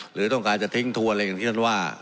หรือต้องการจะทิ้งทัวร์อะไรอย่างที่ท่านว่า